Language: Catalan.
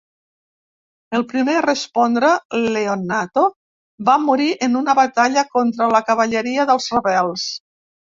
El primer a respondre, Leonnato, va morir en una batalla contra la cavalleria dels rebels.